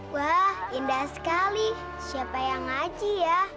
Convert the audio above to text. wah indah sekali siapa yang ngaci ya